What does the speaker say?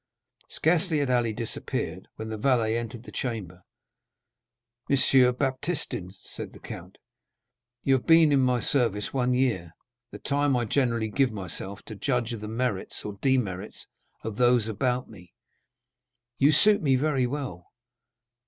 Scarcely had Ali disappeared when the valet entered the chamber. "Monsieur Baptistin," said the count, "you have been in my service one year, the time I generally give myself to judge of the merits or demerits of those about me. You suit me very well."